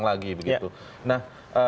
lagi begitu nah